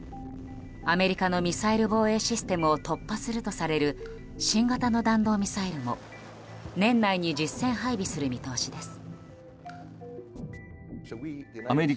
アメリカのミサイル防衛システムを突破するとされる新型の弾道ミサイルも年内に実戦配備する見通しです。